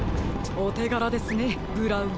おてがらですねブラウン。